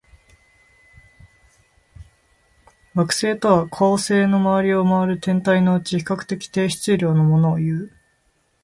惑星とは、恒星の周りを回る天体のうち、比較的低質量のものをいう。